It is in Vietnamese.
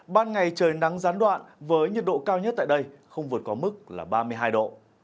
ban ngày trời nắng gián đoạn với nhiệt độ cao nhất tại đây không vượt qua mức là ba mươi hai độ